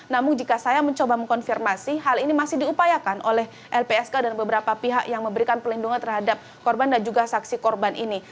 namun jika saya mencoba mengkonfirmasi hal ini masih diupayakan oleh lpsk dan beberapa pihak yang memberikan perlindungan terhadap korban dan juga saksi korban ini